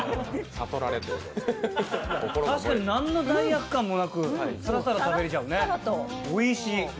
確かに何の罪悪感もなく、さらさら食べられちゃうね。